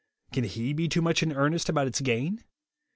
Can He be too much in earnest about its gain